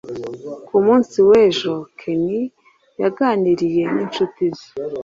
ku munsi w'ejo ken yaganiriye n'inshuti ze